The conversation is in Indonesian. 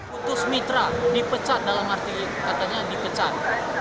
putus mitra dipecat dalam arti katanya dipecat